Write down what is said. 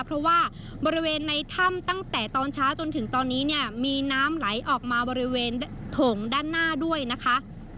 เพราะว่าบริเวณในถ้ำตั้งแต่ตอนเช้าจนถึงตอนนี้เนี่ยมีน้ำไหลออกมาบริเวณโถงด้านหน้าด้วยนะคะ